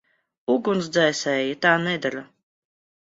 Ugunsdzēsēji tā nedara.